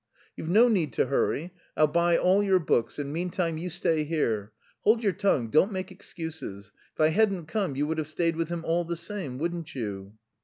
"You've no need to hurry. I'll buy all your books, and meantime you stay here. Hold your tongue; don't make excuses. If I hadn't come you would have stayed with him all the same, wouldn't you?"